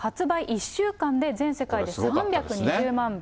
１週間で全世界で３２０万部。